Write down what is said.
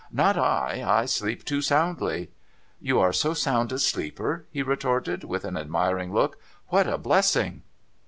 ' Not I. I sleep too soundly.' 'You are so sound a sleeper?' he retorted, with an admiring look. ' What a blessing